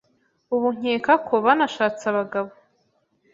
ubu nkeka ko banashatse abagabo,